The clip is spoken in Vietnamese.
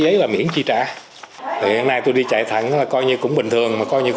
giấy là miễn chi trả hiện nay tôi đi chạy thẳng là coi như cũng bình thường